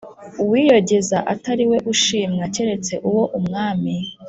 uwiyogeza atari we ushimwa keretse uwo Umwami